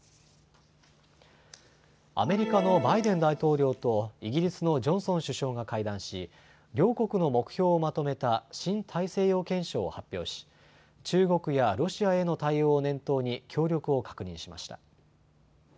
アメリカのバイデン大統領とイギリスのジョンソン首相が会談し両国の目標をまとめた新大西洋憲章を発表し、中国やロシアへの対応を念頭に協力を確認しました。